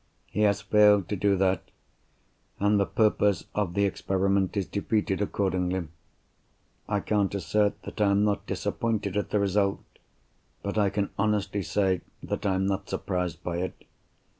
He has failed to do that; and the purpose of the experiment is defeated accordingly. I can't assert that I am not disappointed at the result—but I can honestly say that I am not surprised by it.